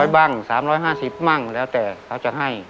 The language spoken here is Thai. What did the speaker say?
๓๐๐เบิ้ง๕๕๐เบิ้งแล้วแต่เค้าจะให้